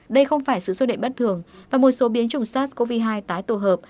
đây không phải sự xuất đệ bất thường và một số biến chủng sars cov hai tái tổ hợp